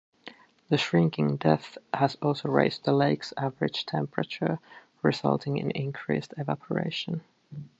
The shrinking depth has also raised the Lake's average temperature, resulting in increased evaporation.